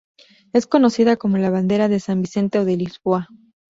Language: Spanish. Es conocida como la bandera de San Vicente o de Lisboa.